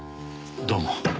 どうも。